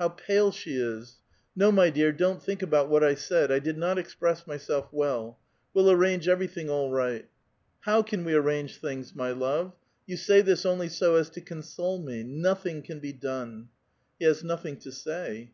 '•How pale she is! — No, my dear, don't think about what 1 said. I did not express myself well. We'll arrange every tiling all right." '"How can we arrange things, my love? You say this only so as to console me. Nothing can be done !" lie lias nothing to say.